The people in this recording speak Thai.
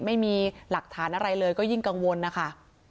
ไม่มีหลักฐานอะไรเลยก็ยิ่งกังวลนะคะ